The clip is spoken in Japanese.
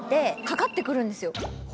かかって来るんですよ。